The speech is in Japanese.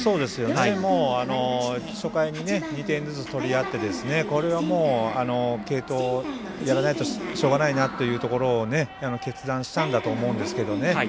もう初回に２点ずつ取り合ってこれはもう継投やらないとしょうがないなというところを決断したんだと思うんですけどね。